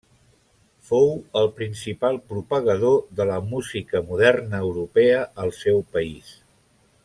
Fou el principal propagador de la música moderna europea al seu país.